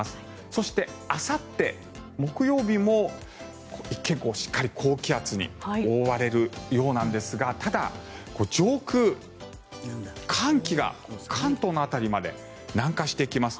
そして、あさって木曜日も一見、しっかり高気圧に覆われるようなんですがただ上空寒気が関東の辺りまで南下してきます。